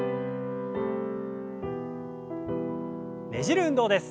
ねじる運動です。